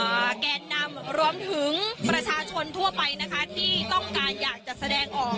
แกนนำรวมถึงประชาชนทั่วไปนะคะที่ต้องการอยากจะแสดงออก